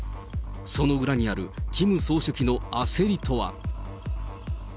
その裏にあるキム総書記の焦りとは。